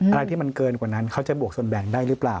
อะไรที่มันเกินกว่านั้นเขาจะบวกส่วนแบ่งได้หรือเปล่า